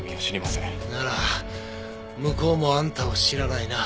なら向こうもあんたを知らないな？